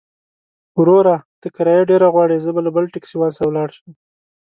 وروره! ته کرايه ډېره غواړې، زه به له بل ټکسيوان سره ولاړ شم.